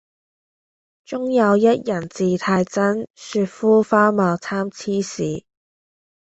中有一人字太真，雪膚花貌參差是。